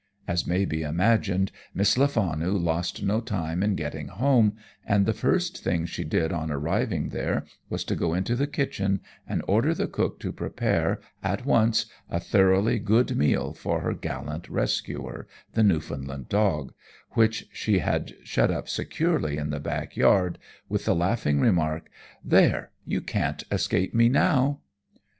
As may be imagined, Miss Lefanu lost no time in getting home, and the first thing she did on arriving there was to go into the kitchen and order the cook to prepare, at once, a thoroughly good meal for her gallant rescuer the Newfoundland dog, which she had shut up securely in the back yard, with the laughing remark, "There you can't escape me now."